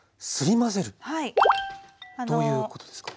どういうことですか？